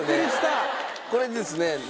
これですね